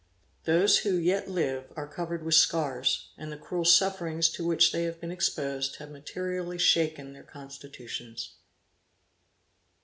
Those who yet live are covered with scars; and the cruel sufferings to which they have been exposed, have materially shaken their constitutions.